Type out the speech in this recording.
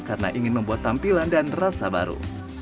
karena ingin membuat tampilan dan rasa baru